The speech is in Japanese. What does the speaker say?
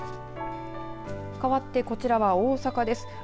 かわって、こちらは大阪です。